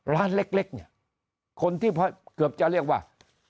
ร้านเล็กเนี่ยคนที่เกือบจะเรียกว่า